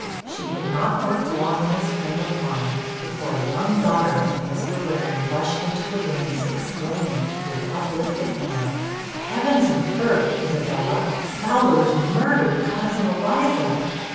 She had not worked long in this frame of mind, before a young daughter of Mr. Waring rushed into the rooms exclaiming, with uplifted hands 'Heavens and earth, Isabella! Fowler's murdered Cousin Eliza!'